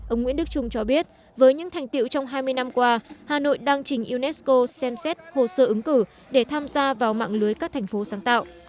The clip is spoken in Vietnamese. ông nguyễn đức trung cho biết với những thành tiệu trong hai mươi năm qua hà nội đang trình unesco xem xét hồ sơ ứng cử để tham gia vào mạng lưới các thành phố sáng tạo